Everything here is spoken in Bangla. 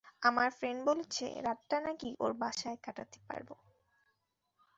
আমার ফ্রেন্ড বলেছে রাতটা নাকি ওর বাসায় কাটাতে পারবো।